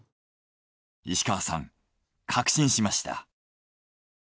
石川さん確信しました。